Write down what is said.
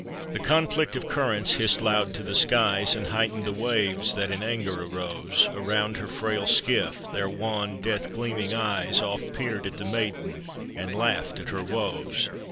The conflict of currents hissed loud to the skies, And heightened 'the waves that [in anger arose Around her frail skiff, their wan, death gleam ing eyes Oft peered at the maiden and laughed at her woes.